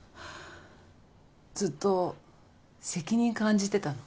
ずっと責任感じてたの。